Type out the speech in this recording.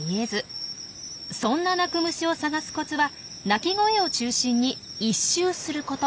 そんな鳴く虫を探すコツは鳴き声を中心に一周すること。